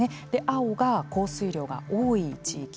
青が降水量が多い地域。